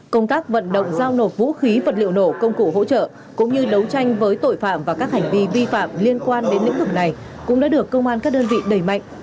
công tác vận động giao nộp vũ khí vật liệu nổ công cụ hỗ trợ cũng như đấu tranh với tội phạm và các hành vi vi phạm liên quan đến lĩnh vực này cũng đã được công an các đơn vị đẩy mạnh